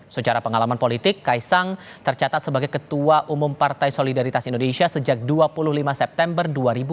secara pengalaman politik kaisang tercatat sebagai ketua umum partai solidaritas indonesia sejak dua puluh lima september dua ribu dua puluh